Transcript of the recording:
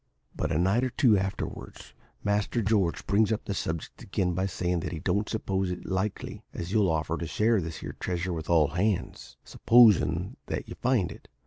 "But a night or two afterwards, Master George brings up the subject again by sayin' that he don't suppose it's likely as you'll offer to share this here treasure with all hands, supposin' that you find it.